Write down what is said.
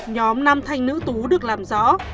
nhóm năm thanh nữ tú được lãng giữ trong căn hộ